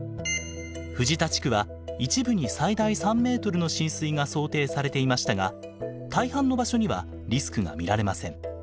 藤田地区は一部に最大３ｍの浸水が想定されていましたが大半の場所にはリスクが見られません。